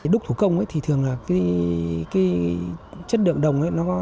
đúc thủ công thì thường là cái chất lượng đồng